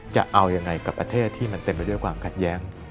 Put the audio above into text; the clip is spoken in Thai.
จะเอายังไงกับประเทศที่มันเต็มไปด้วยความขัดแย้ง